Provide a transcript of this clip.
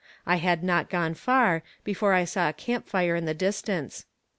I had not gone far before I saw a camp fire in the distance.